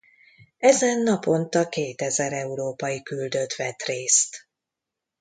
Ezen naponta kétezer európai küldött vett részt.